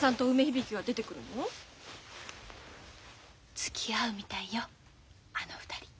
つきあうみたいよあの２人。